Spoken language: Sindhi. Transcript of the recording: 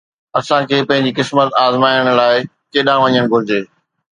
اسان کي پنهنجي قسمت آزمائڻ لاءِ ڪيڏانهن وڃڻ گهرجي؟